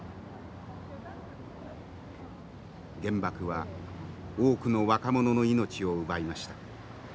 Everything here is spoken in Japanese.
原爆は多くの若者の命を奪いました。